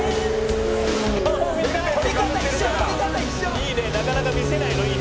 「いいねなかなか見せないのいいね」